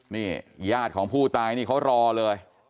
นี่ญาติของผู้ตายนี่เขารอเลย